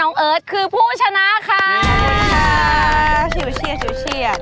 น้องเอิ้นคือผู้ชนะค่ะสวัสดีค่ะชิวเชียร์